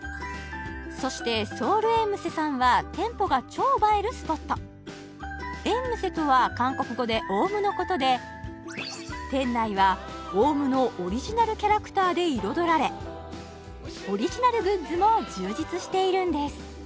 そしてソウルエンムセさんは店舗が超映えるスポットエンムセとは韓国語でオウムのことで店内はオウムのオリジナルキャラクターで彩られオリジナルグッズも充実しているんです